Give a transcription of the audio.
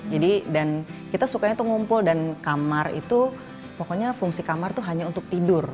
jadi dan kita sukanya tuh ngumpul dan kamar itu pokoknya fungsi kamar tuh hanya untuk tidur